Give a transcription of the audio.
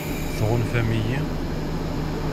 Tɣunfam-iyi?